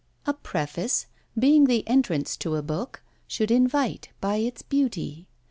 A preface, being the entrance to a book, should invite by its beauty.